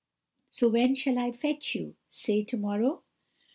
So when shall I fetch you? say to morrow?"